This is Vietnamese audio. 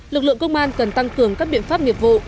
lực lượng công an cần tăng cường các biện pháp nghiệp vụ